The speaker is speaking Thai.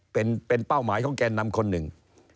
เป็นเป้าหมายของแกนนำคนหนึ่ง